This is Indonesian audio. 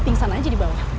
tingsan aja di bawah